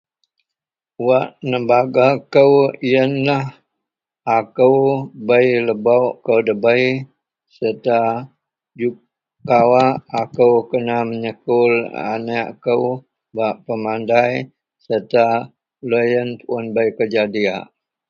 Wak nebangga kou iyenlah akou bei lebok kou debei serta juk kawak akou kena menyekul anek kou bak pemadai serta loyen puon bei kerja diyak